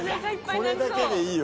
これだけでいいよ